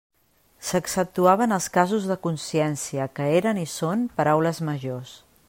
S'exceptuaven els casos de consciència, que eren, i són, paraules majors.